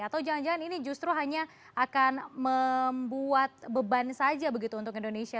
atau jangan jangan ini justru hanya akan membuat beban saja begitu untuk indonesia